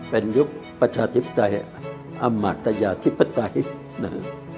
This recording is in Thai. เป็นยุคประชาธิปไตยอำมาตยาธิปไตยนะฮะ